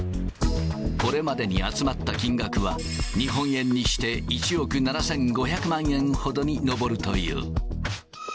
これまでに集まった金額は、日本円にして１億７５００万円ほどに上るという。